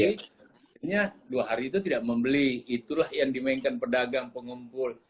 akhirnya dua hari itu tidak membeli itulah yang dimainkan pedagang pengumpul